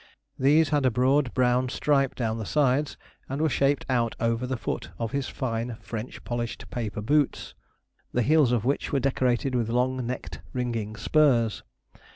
These had a broad brown stripe down the sides, and were shaped out over the foot of his fine French polished paper boots, the heels of which were decorated with long necked, ringing spurs.